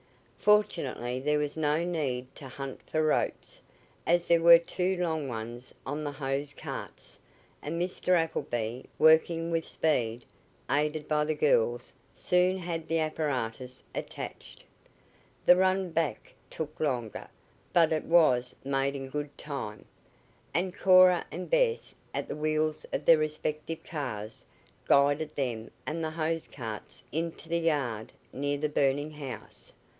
Fortunately there was no need to hunt for ropes, as there were two long ones on the hose carts, and Mr. Appleby, working with speed, aided by the girls, soon had the apparatus attached. The run back took longer, but it was made in good time, and Cora and Bess, at the wheels of their respective cars, guided them and the hose carts into the yard near the burning house.